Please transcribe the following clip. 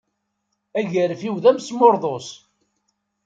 Agarfiw d amesmurḍus.